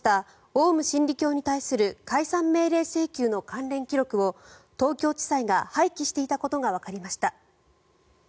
オウム真理教に対する解散命令請求の関連記録を東京地裁が廃棄していたことがわかりました。